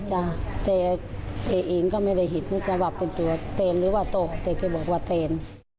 จ้ะแต่เองก็ไม่ได้เห็นนะจ๊ะบอกเป็นตัวเตนหรือว่าตกแต่ก็บอกว่าเตน